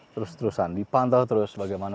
terus terusan dipantau terus bagaimana